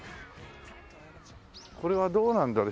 これはどうなんだろう？